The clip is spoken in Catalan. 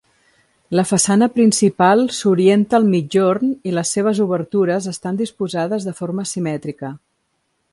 La façana principal s'orienta al migjorn i les seves obertures estan disposades de forma asimètrica.